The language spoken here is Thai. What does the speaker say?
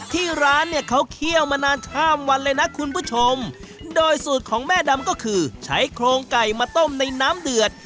ที่ร้านเนี่ยเขาเคี่ยวมานานข้ามวันเลยนะคุณผู้ชมโดยสูตรของแม่ดำก็คือใช้โครงไก่มาต้มในน้ำเดือด